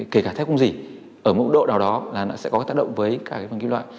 kể cả thép không dị ở mẫu độ nào đó là nó sẽ có tác động với cả cái phần kim loại